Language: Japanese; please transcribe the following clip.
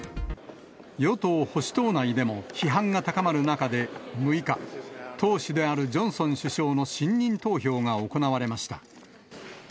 与党・保守党内でも批判が高まる中で、６日、党首であるジョンソン首相の信任投票が行われました。